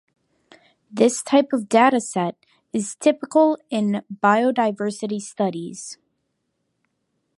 This type of dataset is typical in biodiversity studies.